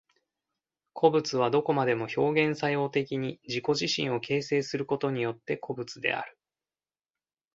個物はどこまでも表現作用的に自己自身を形成することによって個物である。